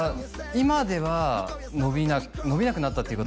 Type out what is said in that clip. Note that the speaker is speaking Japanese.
今では伸びなくなったって言い方